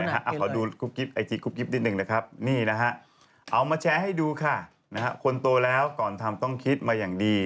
ไหนขอดูหน่าเพลย์เลยนะครับนี่นะฮะเอามาแชร์ให้ดูค่ะคนโตแล้วก่อนทำต้องคิดมาอย่างดี